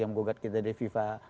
yang gugat kita di fifa